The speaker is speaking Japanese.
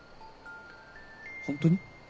ホントに？